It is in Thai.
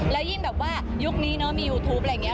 แล้วยิ่งแบบว่ายุคนี้เนอะมียูทูปอะไรอย่างนี้